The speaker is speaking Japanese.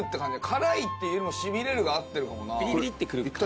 辛いっていうよりもシビれるが合ってるかもな。